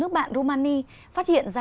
nước bạn rumani phát hiện ra